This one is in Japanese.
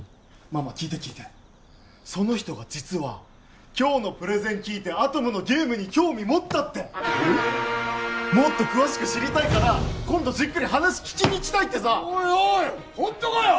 まあまあ聞いて聞いてその人が実は今日のプレゼン聞いてアトムのゲームに興味持ったってもっと詳しく知りたいから今度じっくり話聞きに来たいってさおいおいホントかよ？